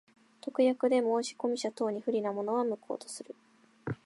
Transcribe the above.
特約で申込者等に不利なものは、無効とする。